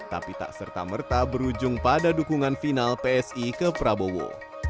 tapi tak serta merta berujung pada dukungan final psi ke prabowo